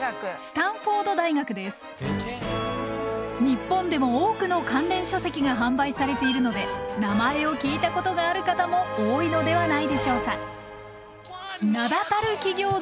日本でも多くの関連書籍が販売されているので名前を聞いたことがある方も多いのではないでしょうか。